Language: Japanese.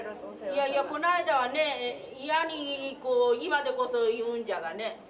いやいやこの間はねいやに今でこそ言うんじゃがね。